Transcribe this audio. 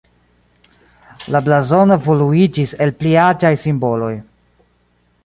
La blazono evoluiĝis el pli aĝaj simboloj.